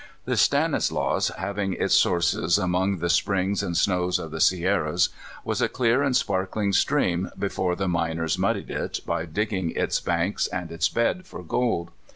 The Stanislaus, having its sources among the springs and snows of the Sierras, was a clear and sparkling stream before the miners muddied it by their digging its banks and its bed for gold.